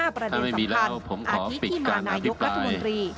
ประเด็นสำคัญอาทิตที่มานายกรัฐมนตรี